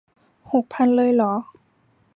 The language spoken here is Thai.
หกพันเลยเหรอ